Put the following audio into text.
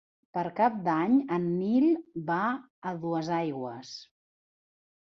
Per Cap d'Any en Nil va a Duesaigües.